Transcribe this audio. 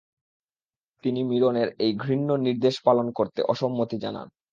তিনি মীরনের এই ঘৃণ্য নির্দেশ পালন করতে অসম্মতি জানান।